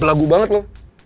belagu banget lo